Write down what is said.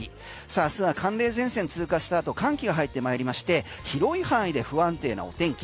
明日は寒冷前線が通過したあと寒気が入ってまいりまして広い範囲で不安定なお天気。